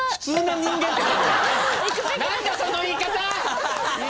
何だその言い方！